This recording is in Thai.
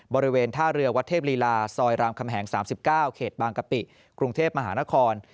บริเวณท่าเรือวัดเทพลีลาซอยรามคำแหง๓๙เขตบางกะปิกรุงเทพมหานคร